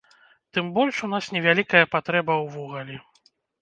Тым больш у нас невялікая патрэба ў вугалі.